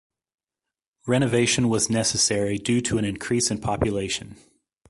Renovation was necessary due to an increase in population.